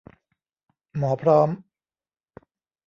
หมอพร้อม